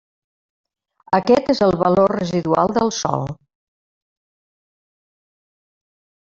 Aquest és el valor residual del sòl.